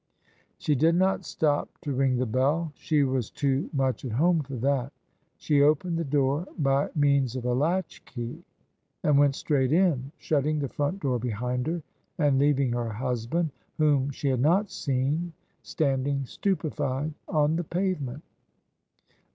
She did not stop to ring the bell: she was too much at home for that: she opened the door by means of a latchkey and went straight in, shutting the front door behind her, and leaving her husband — ^whom she had not seen — standing stupefied on the pavement.